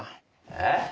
えっ？